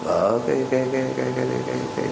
ở cái cái cái cái cái cái